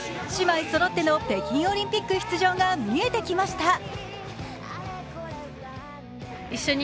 姉妹そろっての北京オリンピック出場が見えてきました。